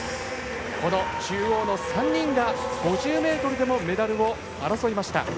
この中央の３人が５０ｍでもメダルを争いました。